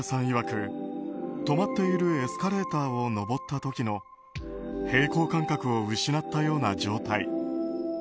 いわく止まっているエスカレーターを上った時の平衡感覚を失ったような状態。